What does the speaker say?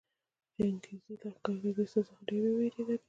چنګېزي لښکرې له دې سزا څخه ډېرې ووېرېدلې.